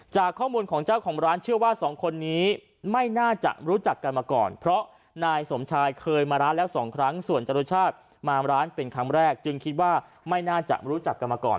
จากข้อมูลของเจ้าของร้านเชื่อว่าสองคนนี้ไม่น่าจะรู้จักกันมาก่อนเพราะนายสมชายเคยมาร้านแล้วสองครั้งส่วนจรุชาติมาร้านเป็นครั้งแรกจึงคิดว่าไม่น่าจะรู้จักกันมาก่อน